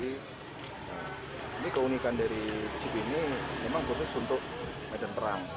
ini keunikan dari chip ini memang khusus untuk medan perang